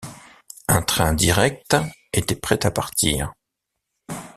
Un train direct était prêt à partir.